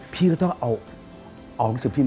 พี่ก็ต้องเอา